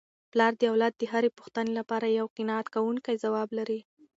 پلار د اولاد د هرې پوښتني لپاره یو قناعت کوونکی ځواب لري.